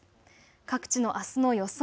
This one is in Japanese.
各地のあすの予想